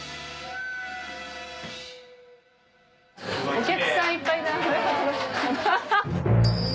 お客さんいっぱいだ。